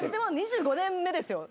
２５年目ですよ。